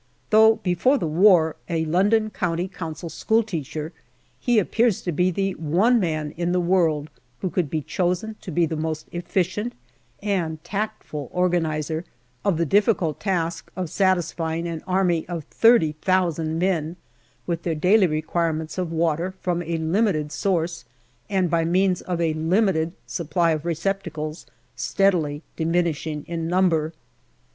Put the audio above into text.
Though before the war an L.C.C. school teacher, he appears to be the one man in the world who could be chosen to be the most efficient and tactful organizer of the difficult task of satisfying an army of 30,000 men with their daily requirements of water, from a limited source, and by means of a limited supply of receptacles, steadily diminishing in number.